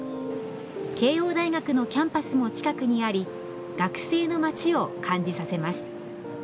慶応大学のキャンパスも近くにあり、学生の街を感じさせます。